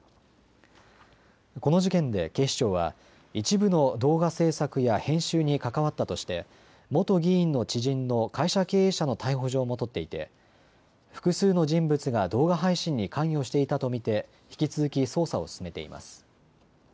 この事件で警視庁は一部の動画制作や編集に関わったとして元議員の知人の会社経営者の逮捕状も取っていて複数の人物が動画配信に関与していたと見て引き続き捜査を進めています。